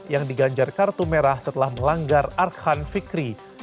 yang diganjar kartu merah setelah melanggar arhan fikri